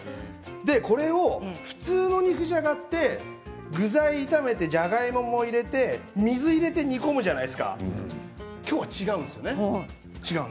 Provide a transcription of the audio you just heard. これ、普通の肉じゃがって具材を炒めてじゃがいもも入れて水を入れて煮込むんじゃないですか今日は違うんですよね。